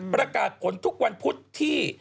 ประกาศผลทุกวันพุธที่